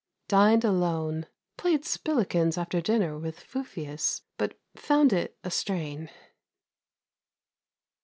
Dined alone. Played spilikins after dinner with Fufius, but found it a strain.